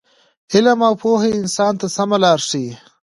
علم او پوهه انسان ته سمه لاره ښیي.